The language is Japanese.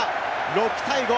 ６対５。